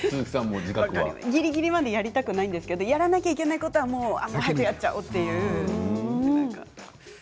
ぎりぎりまでやりたくないんですけれどもやらなきゃいけないことは早くやっちゃおうというか。